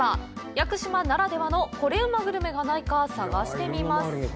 屋久島ならではのコレうまグルメがないか探してみます！